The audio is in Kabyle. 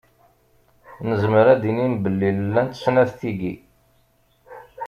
Nezmer ad d-nini belli llant i snat tigi.